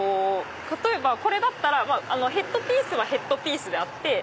例えばこれだったらヘッドピースはヘッドピースであって。